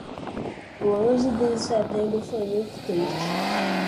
O onze de setembro foi muito triste.